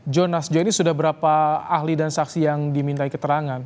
jurnalist jho ini sudah berapa ahli dan saksi yang diminta keterangan